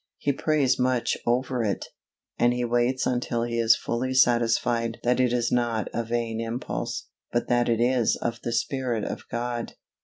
He prays much over it, and he waits until he is fully satisfied that it is not a vain impulse, but that it is of the Spirit of God.